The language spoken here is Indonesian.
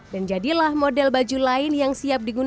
dan jadilah model baju lain yang siap dibuat dengan